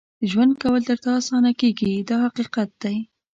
ژوند کول درته اسانه کېږي دا حقیقت دی.